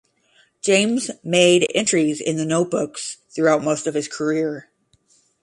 James made entries in the "Notebooks" throughout most of his career.